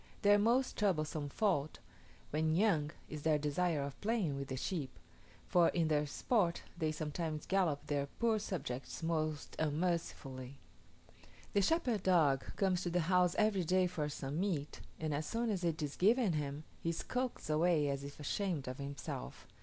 Their most troublesome fault, when young, is their desire of playing with the sheep; for in their sport they sometimes gallop their poor subjects most unmercifully. The shepherd dog comes to the house every day for some meat, and as soon as it is given him, he skulks away as if ashamed of himself.